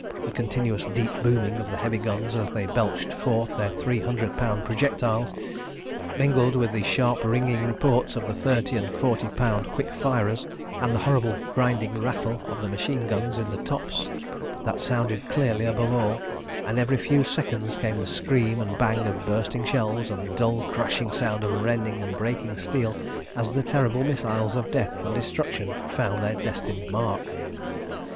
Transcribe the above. The continuous deep booming of the heavy guns, as they belched forth their three hundred pound projectiles, mingled with the sharp ringing reports of the thirty and forty pound quick firers, and the horrible grinding rattle of the machine guns in the tops that sounded clearly above all, and every few seconds came the scream and the bang of bursting shells, and the dull, crashing sound of rending and breaking steel, as the terrible missiles of death and destruction found their destined mark.